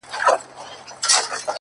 زه ومه ويده اكثر ـ